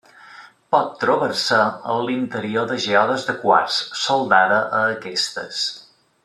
Pot trobar-se en l'interior de geodes de quars, soldada a aquestes.